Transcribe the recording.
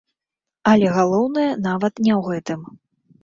Але галоўнае нават не ў гэтым.